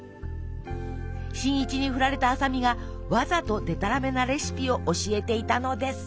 新一にふられた麻美がわざとでたらめなレシピを教えていたのです。